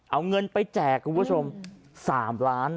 เอาเงินไปแจกคุณผู้ชม๓ล้าน